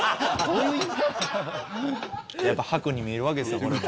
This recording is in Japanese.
やっぱハクに見えるわけですよこれも。